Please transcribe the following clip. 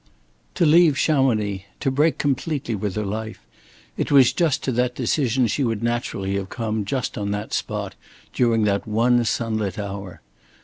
To leave Chamonix to break completely with her life it was just to that decision she would naturally have come just on that spot during that one sunlit hour.